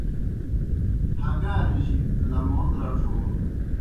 ہگارِجیْ لمون رڇھون